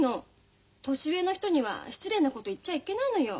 年上の人には失礼なこと言っちゃいけないのよ。